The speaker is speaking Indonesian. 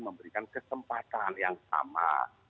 memberikan kesempatan yang sama